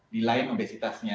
di lain obesitasnya